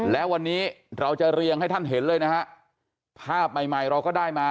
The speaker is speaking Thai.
และวันนี้เราจะเรียงให้ท่านเห็นเลยนะฮะภาพใหม่ใหม่เราก็ได้มา